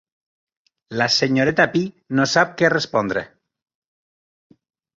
La senyoreta Pi no sap què respondre.